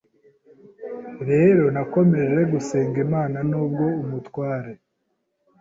Rero nakomeje gusenga Imana nubwo umutware